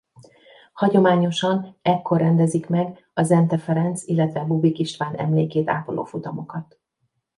Hagyományosan ekkor rendezik meg a Zenthe Ferenc illetve Bubik István emlékét ápoló futamokat.